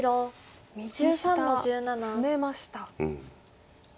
右下ツメました。